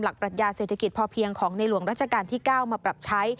ครับ